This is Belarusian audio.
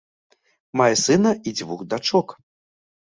Мае сына і дзвюх дачок.